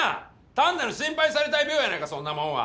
単なる心配されたい病やないかそんなもんは！